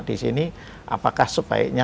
disini apakah sebaiknya